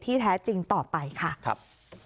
แท้จริงต่อไปค่ะครับ